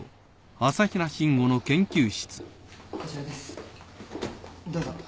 こちらですどうぞ。